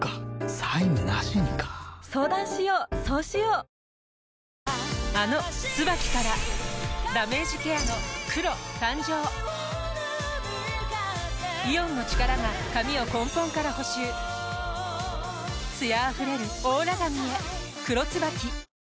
瞬感ミスト ＵＶ「ビオレ ＵＶ」あの「ＴＳＵＢＡＫＩ」からダメージケアの黒誕生イオンの力が髪を根本から補修艶あふれるオーラ髪へ「黒 ＴＳＵＢＡＫＩ」